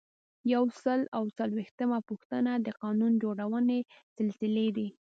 یو سل او څلویښتمه پوښتنه د قانون جوړونې سلسلې دي.